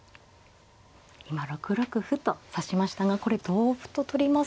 今６六歩と指しましたがこれ同歩と取りますと。